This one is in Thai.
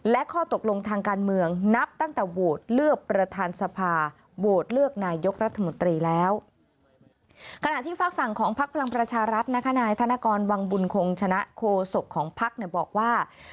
และข้อตกลงทางการเมืองนับตั้งแต่โวทิ์เลือกประธานรัฐสภา